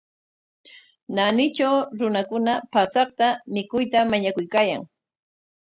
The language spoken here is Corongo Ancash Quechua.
Naanitraw runakuna paasaqta mikuyta mañakuykaayan.